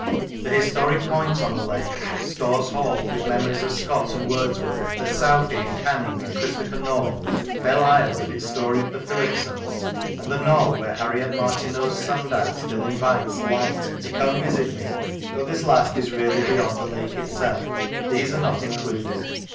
The historic points on the lake Storr's Hall, with memories of Scott and Wordsworth, of Southey and Canning and Christopher North; Belle Isle with its story of the Philipsons; and the Knoll, where Harriet Martineau's sundial still invites Light to " Come, visit me " (though this last is really beyond the lake itself) these are not included.